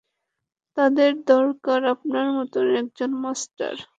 তাদের দরকার আপনার মতো একজন মাস্টার।